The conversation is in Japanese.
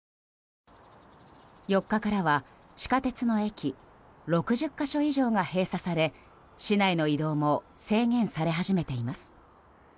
４日からは地下鉄の駅６０か所以上が閉鎖され市内の移動も制限され始めています。